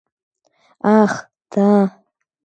Ах, да!